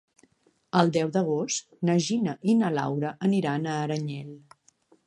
El deu d'agost na Gina i na Laura aniran a Aranyel.